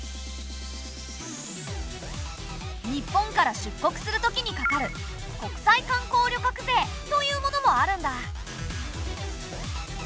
日本から出国する時にかかる国際観光旅客税というものもあるんだ！